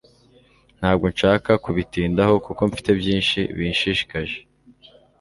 ntabwo nshaka kubitindaho kuko mfite byinshi binshishikaje